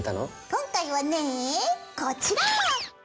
今回はねぇこちら！